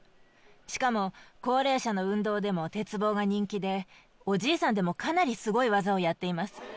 しかも高齢者の運動でも鉄棒が人気でおじいさんでもかなりすごい技をやっています。